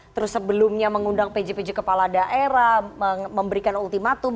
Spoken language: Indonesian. terus sebelumnya mengundang pjpj kepala daerah memberikan ultimatum